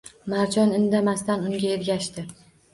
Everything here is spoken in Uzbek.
Marjon indamasdan unga ergashdi